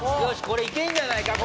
これいけんじゃないか？